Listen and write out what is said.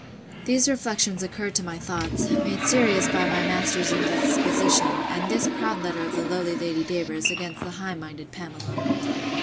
These reflections occurred to my thoughts, made serious by my master's indisposition, and this proud letter of the lowly Lady Davers, against the high minded Pamela.